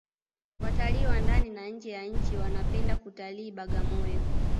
watalii wa ndani na nje ya nchi wanapenda kutalii bagamoyo